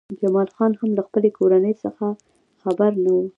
جمال خان هم له خپلې کورنۍ څخه خبر نه و